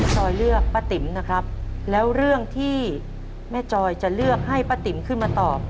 จอยเลือกป้าติ๋มนะครับแล้วเรื่องที่แม่จอยจะเลือกให้ป้าติ๋มขึ้นมาตอบ